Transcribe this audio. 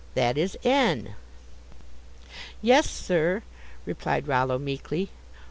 That is N." "Yes, sir," replied Rollo, meekly.